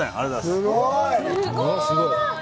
すごい。